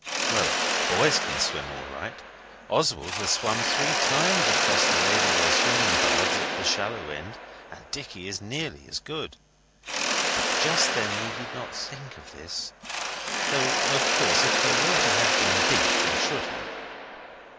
We boys can swim all right. Oswald has swum three times across the Ladywell Swimming Baths at the shallow end, and Dicky is nearly as good; but just then we did not think of this; though, of course, if the water had been deep we should have.